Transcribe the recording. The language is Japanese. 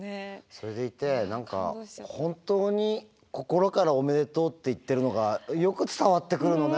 それでいて何か本当に心からおめでとうって言ってるのがよく伝わってくるのね。